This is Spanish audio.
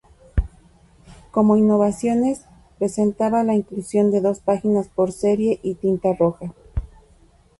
Como innovaciones, presentaba la inclusión de dos páginas por serie y tinta roja.